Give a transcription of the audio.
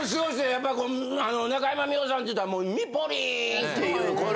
やっぱ中山美穂さんったらもうミポリン！っていうこれ。